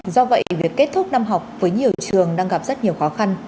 do vậy việc kết thúc năm học với nhiều trường đang gặp rất nhiều khó khăn